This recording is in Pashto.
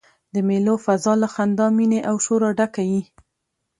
د مېلو فضاء له خندا، میني او شوره ډکه يي.